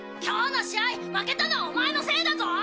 今日の試合負けたのはオマエのせいだぞ！